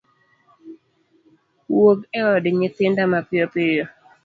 wuog e od nyithinda mapiyo piyo.